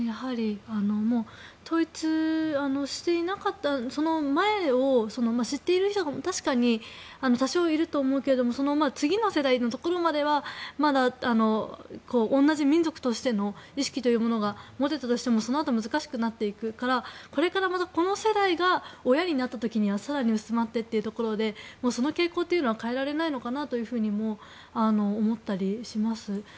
統一していなかったその前を知っている人が確かに多少いると思うけれども次の世代のところまではまだ同じ民族としての意識というものが持てたとしてもそのあと難しくなっていくからこれから、この世代が親になった時には更に薄まっていくというところでその傾向というのは変えられないのかなとも思ったりします。